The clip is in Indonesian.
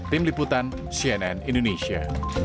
tim liputan cnn indonesia